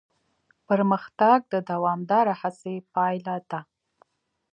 پرمختګ د دوامداره هڅې پایله ده.